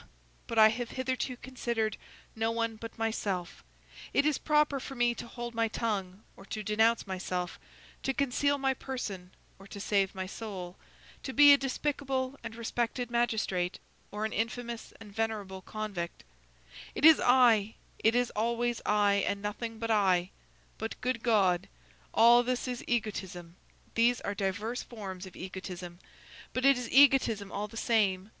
but I have hitherto considered no one but myself; it is proper for me to hold my tongue or to denounce myself, to conceal my person or to save my soul, to be a despicable and respected magistrate, or an infamous and venerable convict; it is I, it is always I and nothing but I: but, good God! all this is egotism; these are diverse forms of egotism, but it is egotism all the same.